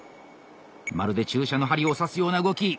まるで注射の針を刺すような動き。